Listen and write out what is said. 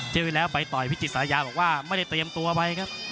ที่แล้วไปต่อยพิจิตาบอกว่าไม่ได้เตรียมตัวไว้ครับ